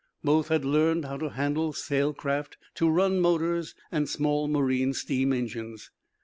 Both had learned how to handle sail craft, to run motors and small marine steam engines.